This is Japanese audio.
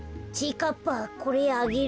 かっぱこれあげる。